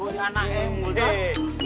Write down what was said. anaknya eh eh